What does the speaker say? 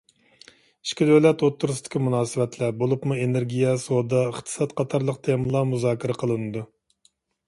ئىككى دۆلەت ئوتتۇرىسىدىكى مۇناسىۋەتلەر، بولۇپمۇ ئېنېرگىيە، سودا، ئىقتىساد قاتارلىق تېمىلار مۇزاكىرە قىلىنىدۇ.